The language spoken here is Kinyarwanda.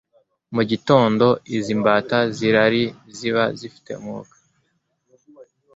Mu gitondo, izi mbata z’irari ziba zifite umwuka